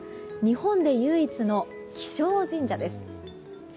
日本で唯一の気象神社です。